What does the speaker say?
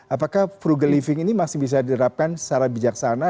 apakah frugal living ini masih bisa diterapkan secara bijaksana